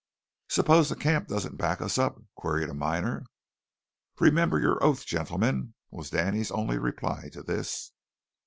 "Suppose the camp doesn't back us up?" queried a miner. "Remember your oath, gentlemen," was Danny's only reply to this.